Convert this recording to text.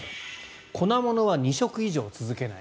粉物は２食以上続けない。